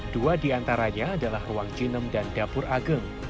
dua di antaranya adalah ruang jinem dan dapur ageng